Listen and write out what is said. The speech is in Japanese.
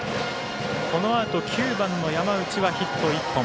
このあと９番の山内はヒット１本。